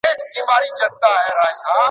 دولت باید د خلګو خدمت وکړي.